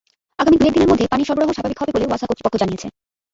আগামী দুই-এক দিনের মধ্যে পানির সরবরাহ স্বাভাবিক হবে বলে ওয়াসা কর্তৃপক্ষ জানিয়েছে।